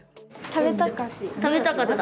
食べたかった。